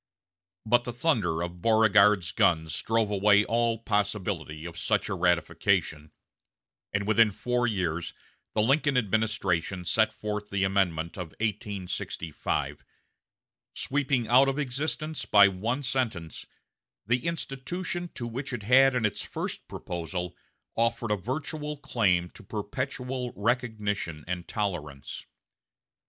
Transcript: But the thunder of Beauregard's guns drove away all possibility of such a ratification, and within four years the Lincoln administration sent forth the amendment of 1865, sweeping out of existence by one sentence the institution to which it had in its first proposal offered a virtual claim to perpetual recognition and tolerance.